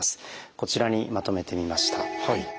こちらにまとめてみました。